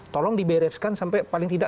tolong dibereskan sampai paling tidak